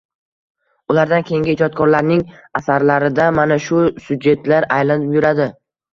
Ulardan keyingi ijodkorlarning asarlarida mana shu syujetlar aylanib yuradi.